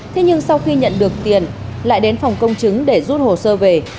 thế nhưng sau khi nhận được tiền lại đến phòng công chứng để rút hồ sơ về